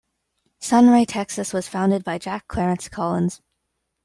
Sunray, Texas was founded by Jack Clarence Collins.